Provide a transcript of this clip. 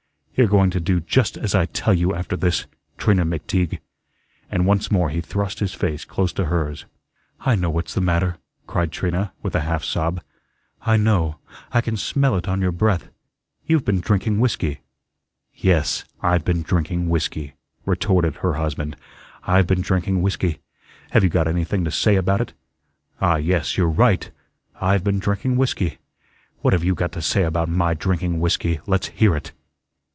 You're going to do just as I tell you after this, Trina McTeague," and once more he thrust his face close to hers. "I know what's the matter," cried Trina, with a half sob; "I know, I can smell it on your breath. You've been drinking whiskey." "Yes, I've been drinking whiskey," retorted her husband. "I've been drinking whiskey. Have you got anything to say about it? Ah, yes, you're RIGHT, I've been drinking whiskey. What have YOU got to say about my drinking whiskey? Let's hear it."